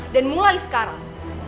dan mulai sekarang